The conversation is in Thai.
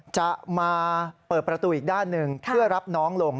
จะมาเปิดประตูอีกด้านหนึ่งเพื่อรับน้องลง